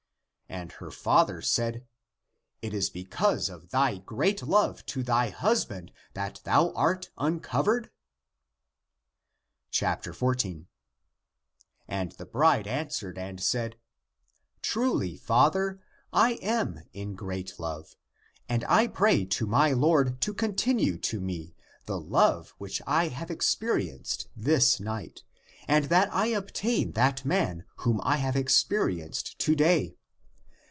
And her father said, " It is because of thy great love to thy husband that thou art uncovered?" 14. And the bride answered and said, " Truly, father, I am in great love, and I pray to my Lord to continue to me the love which I have experienced this night, and that I obtain that man whom I have experienced to day.